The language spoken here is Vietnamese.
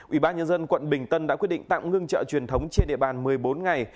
ủy ban nhân dân quận bình tân đã quyết định tạm ngưng trợ truyền thống trên địa bàn một mươi bốn ngày